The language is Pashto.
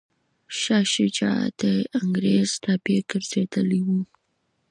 شاه شجاع د انګریز تابع ګرځېدلی و.